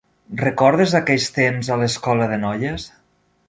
Recordes aquells temps a l'escola de noies?